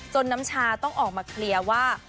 น้ำชาต้องออกมาเคลียร์ว่า